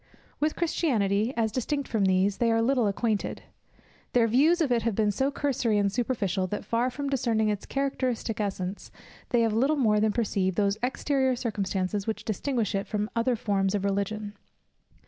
With Christianity, as distinct from these, they are little acquainted; their views of it have been so cursory and superficial, that far from discerning its characteristic essence, they have little more than perceived those exterior circumstances which distinguish it from other forms of Religion.